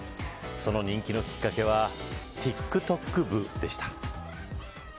その人気のきっかけはＴｉｋＴｏｋＢＵでした。